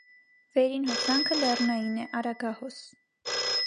Վերին հոսանքը լեռնային է, արագահոս։